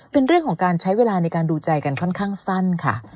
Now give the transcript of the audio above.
เป็นเรื่องของการใช้เวลาในการดูใจกันค่อนข้างสั้นค่ะ